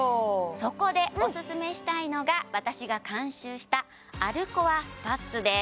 そこでオススメしたいのが私が監修した歩コアスパッツです